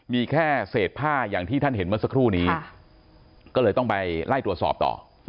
มีแค่เศษผ้าอย่างที่ท่านเห็นเมื่อสักครู่นี้ก็เลยต้องไปไล่ตรวจสอบต่อ